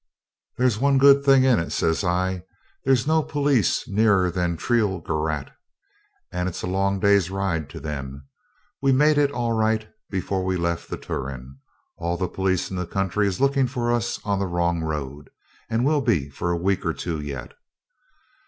'There's one good thing in it,' says I; 'there's no police nearer than Trielgerat, and it's a long day's ride to them. We made it all right before we left the Turon. All the police in the country is looking for us on the wrong road, and will be for a week or two yet.'